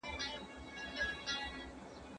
که رقابت نه وي کیفیت نه ښه کیږي.